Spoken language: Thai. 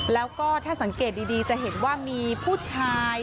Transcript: แล้วก็ถ้าสังเกตดีจะเห็นว่ามีผู้ชาย